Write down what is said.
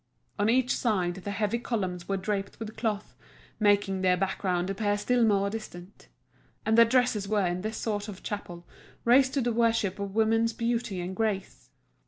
On each side the heavy columns were draped with cloth, making their background appear still more distant. And the dresses were in this sort of chapel raised to the worship of woman's beauty and grace.